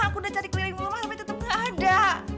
aku udah cari keliling rumah tapi tetep ga ada